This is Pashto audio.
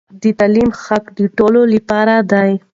د تعليم حق د ټولو لپاره دی.